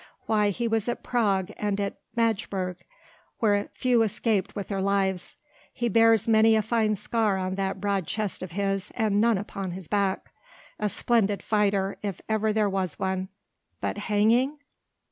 why he was at Prague and at Madgeburg where few escaped with their lives. He bears many a fine scar on that broad chest of his and none upon his back. A splendid fighter, if ever there was one! But hanging?